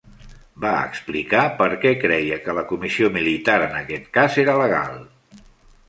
Va explicar per què creia que la comissió militar en aquest cas era legal.